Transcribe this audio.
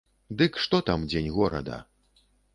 Дык што там дзень горада.